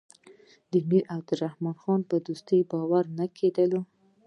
د امیر عبدالرحمن خان پر دوستۍ باور نه کېده.